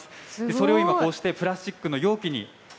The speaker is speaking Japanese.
それを、こうしてプラスチックの容器に。